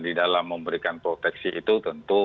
di dalam memberikan proteksi itu tentu